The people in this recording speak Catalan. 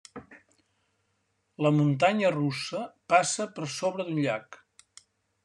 La muntanya russa passa per sobre d'un llac.